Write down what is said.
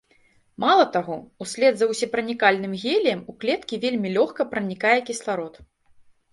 Мала таго, услед за ўсепранікальным геліем у клеткі вельмі лёгка пранікае кісларод.